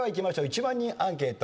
１万人アンケート